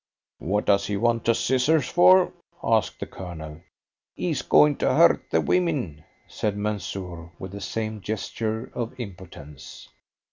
"What does he want a scissors for?" asked the Colonel. "He is going to hurt the women," said Mansoor, with the same gesture of impotence.